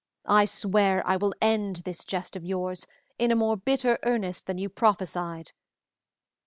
I swear I will end this jest of yours in a more bitter earnest than you prophesied.